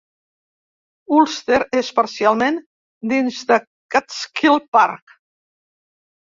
Ulster és parcialment dins de Catskill Park.